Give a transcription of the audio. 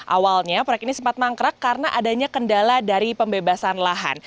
awalnya proyek ini sempat mangkrak karena adanya kendala dari pembebasan lahan